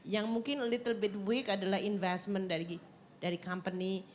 yang mungkin little bit weak adalah investment dari company